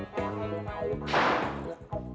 tanganku kebakan lilin